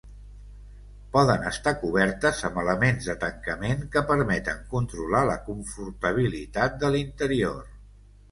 Poden estar cobertes amb elements de tancament que permeten controlar la confortabilitat de l'interior.